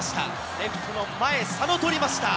レフトの前、佐野捕りました。